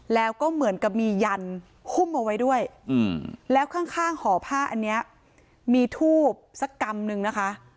แล้วก็เหมือนกับมียันหุ้มเอาไว้ด้วยแล้วข้างห่อผ้าอันนี้มีทูบสักกำนึงนะคะ